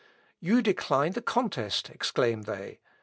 "You decline the contest," exclaim they.